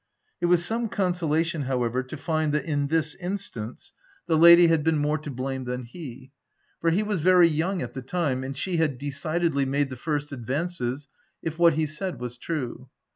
It was some consolation, however, to find that, in this instance, the lady e 3 82 THE TENANT had been more to blame than he; for he was very young at the time, and she had decidedly made the first advances, if what he said was true.